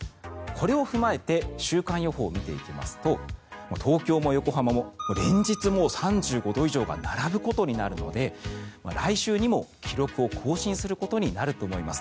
これを踏まえて週間予報を見ていきますと東京も横浜も連日３５度以上が並ぶことになるので来週にも記録を更新することになると思います。